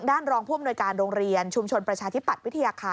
รองผู้อำนวยการโรงเรียนชุมชนประชาธิปัตยวิทยาคาร